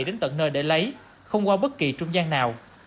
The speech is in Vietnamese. đến tận nơi để lấy không qua bất kỳ trung gian nào